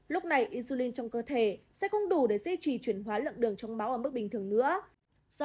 lúc này insulin trong cơ thể sẽ không đủ để duy trì chuyển hóa lượng đường trong máu ở mức bình thường nữa